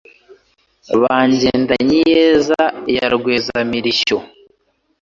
Ba Ngendany-iyeza ya Rweza-mirishyo